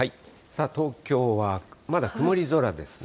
東京はまだ曇り空ですね。